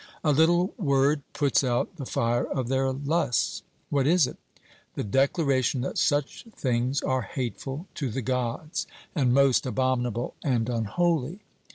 A little word puts out the fire of their lusts. 'What is it?' The declaration that such things are hateful to the Gods, and most abominable and unholy.